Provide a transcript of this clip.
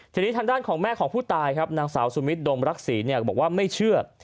ทีนี้ทางด้านของแม่ของผู้ตายครับนางสาวสุมิทมรักษีก็บอกว่าไม่เชื่อ